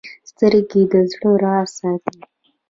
سترګې د زړه راز ساتي